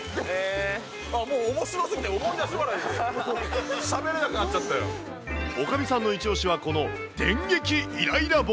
もうおもしろすぎて、思い出し笑いして、しゃべれなくなっちゃっおかみさんの一押しは、この電撃イライラ棒。